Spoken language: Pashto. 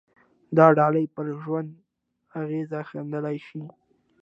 دا ډلې پر ژوند اغېز ښندلای شي